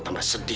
saya sopan dia